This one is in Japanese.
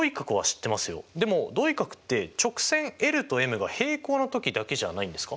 でも同位角って直線ｌとｍが平行な時だけじゃないんですか？